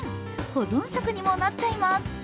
保存食にもなっちゃいます。